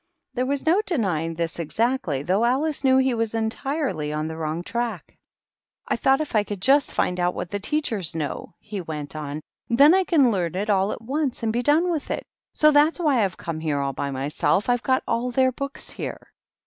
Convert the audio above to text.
There was no denying this exactly, though Alice knew he was entirely on the wrong track. "I thought if I just could find out what the teachers know," he went on, " then I could learn it all at once, and be done with it ; so that's why IVe come here all by myself. I've got all their books here."